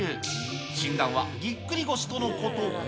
診断はぎっくり腰とのこと。